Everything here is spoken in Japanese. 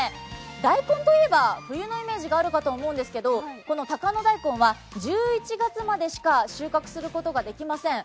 大根といえば、冬のイメージがあるかと思うんですけど高野大根は１１月までしか収穫することができません。